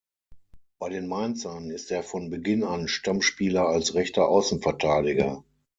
Bei den Mainzern ist er von Beginn an Stammspieler als rechter Außenverteidiger.